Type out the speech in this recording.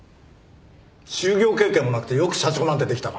就業経験もなくてよく社長なんてできたな。